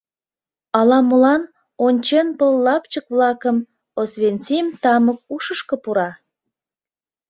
Ала-молан, ончен пыл лапчык-влакым, Освенцим тамык ушышко пура?